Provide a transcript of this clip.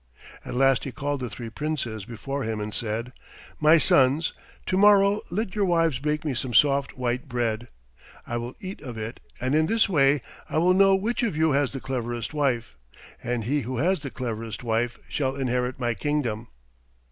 At last he called the three Princes before him and said, "My sons, to morrow let your wives bake me some soft white bread. I will eat of it, and in this way I will know which of you has the cleverest wife, and he who has the cleverest wife shall inherit my kingdom."